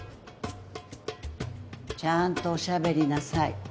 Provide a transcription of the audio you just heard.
ちゃんとおしゃべりなさい。